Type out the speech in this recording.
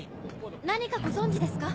何かご存じですか？